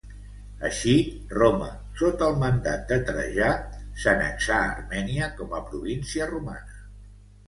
Així Roma, sota el mandat de Trajà, s'annexà Armènia com a província romana.